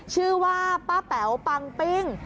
ชื่อว่าป้าแป๋วปังปิ้ง